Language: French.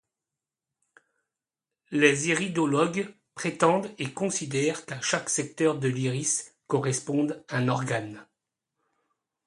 Les iridologues prétendent et considèrent qu'à chaque secteur de l'iris correspond un organe.